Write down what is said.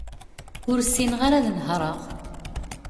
Ur ssineɣ ara ad nehreɣ.